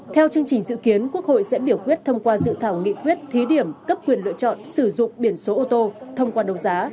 theo chương trình dự kiến quốc hội sẽ biểu quyết thông qua dự thảo nghị quyết thí điểm cấp quyền lựa chọn sử dụng biển số ô tô thông qua đấu giá